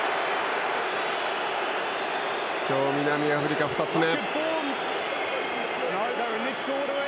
今日、南アフリカ２つ目。